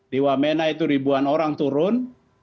di wamena itu ribuan orang turun